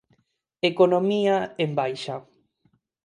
Economía en baixa